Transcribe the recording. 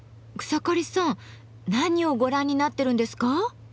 草刈さん何をご覧になってるんですか？